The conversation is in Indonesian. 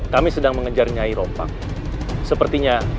kami sedang mengejar nyai rompang